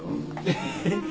えっ？